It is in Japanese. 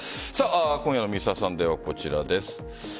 今夜の「Ｍｒ．サンデー」はこちらです。